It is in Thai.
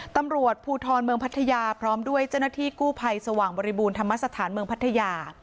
ตำรวจภูทรเมืองพัทยาพร้อมด้วยเจ้าหน้าที่กู้ภัยสว่างบริบูรณธรรมสถานเมืองพัทยา